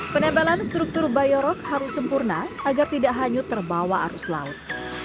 penempelan struktur biorok harus sempurna agar tidak hanyut terbawa arus laut